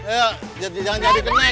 ayo jangan jadi kenek